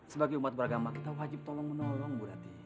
sebagai umat beragama kita wajib tolong menolong bu rati